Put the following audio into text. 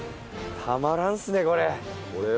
たまらんっすねこれ。